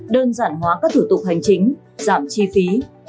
đơn giản hóa các thủ tục hành chính giảm chi phí